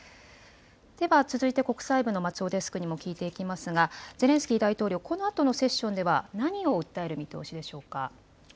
では続いて国際部の松尾デスクにも聞いていきますが、ゼレンスキー大統領、このあとのセッションでは何を訴える見通しでしょうか。